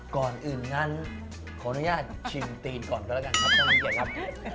ก่อนอื่นงั้นขออนุญาตชิมตีนก่อนก็แล้วกันครับท่านน้ำเกียจครับ